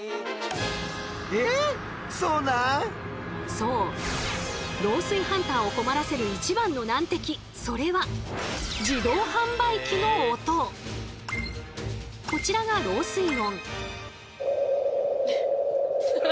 そう漏水ハンターを困らせる一番の難敵それはこちらが漏水音。